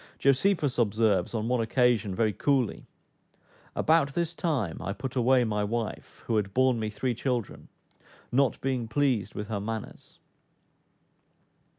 Josephus observes, on one occasion, very coolly, "About this time I put away my wife, who had borne me three children, not being pleased with her manners."